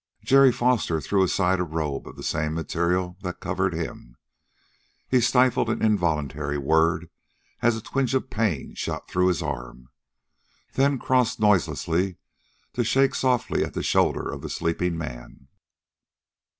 Jerry Foster threw aside a robe of the same material that covered him. He stifled an involuntary word as a twinge of pain shot through his arm, then crossed noiselessly to shake softly at the shoulder of the sleeping man.